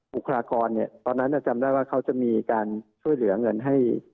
บุคลากรตอนนั้นจำได้ว่าเขาจะมีการช่วยเหลือเงินให้